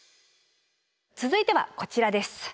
続いてはこちらです。